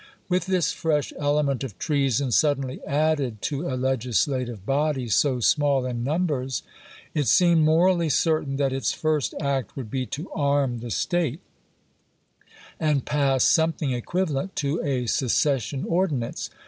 With this fresh element of treason suddenly added to a legislative body so small in numbers, it seemed morally certain that its first act would be to arm the State, and pass something equivalent to a secession ordinance.